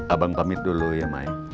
abang pamit dulu ya main